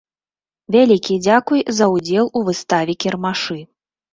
Вялікі дзякуй за ўдзел у выставе-кірмашы.